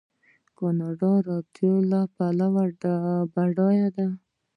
کاناډا د اوبو له پلوه بډایه ده.